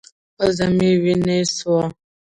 پزه مې وينې سوه.